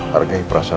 hargai perasaan algana